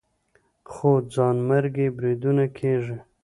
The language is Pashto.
خو ځانمرګي بریدونه کېږي